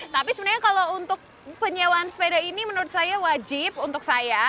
tapi sebenarnya kalau untuk penyewaan sepeda ini menurut saya wajib untuk saya